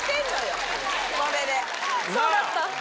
そうだった。